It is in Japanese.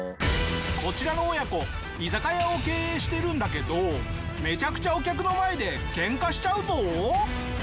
こちらの親子居酒屋を経営してるんだけどめちゃくちゃお客の前でケンカしちゃうぞ。